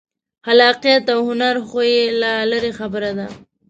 خلاقیت او هنر خو یې لا لرې خبره ده.